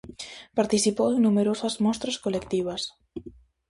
Participou en numerosas mostras colectivas.